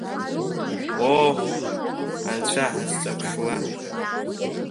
Ох, Анцәа ҳазҵаԥшуа!